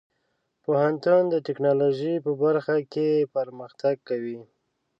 پوهنتون د ټیکنالوژۍ په برخه کې پرمختګ کوي.